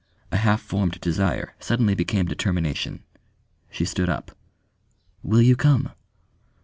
A half formed desire suddenly became determination. She stood up. "Will you come?"